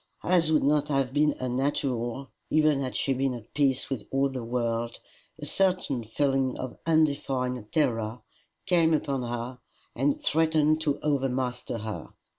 As would not have been unnatural, even had she been at peace with all the world, a certain feeling of undefined terror came upon her and threatened to overmaster her.